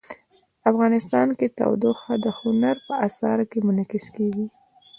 افغانستان کې تودوخه د هنر په اثار کې منعکس کېږي.